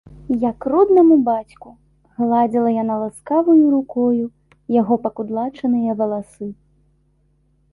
Як роднаму бацьку, гладзіла яна ласкаваю рукою яго пакудлачаныя валасы.